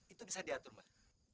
itu bisa diatur mbah